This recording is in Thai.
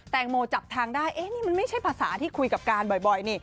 งโมจับทางได้นี่มันไม่ใช่ภาษาที่คุยกับการบ่อยนี่